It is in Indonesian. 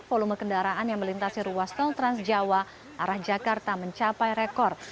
volume kendaraan yang melintasi ruas tol transjawa arah jakarta mencapai rekor